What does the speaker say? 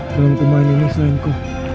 dalam kemahian ini selainku